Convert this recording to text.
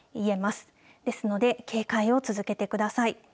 ですので警戒を続けてください。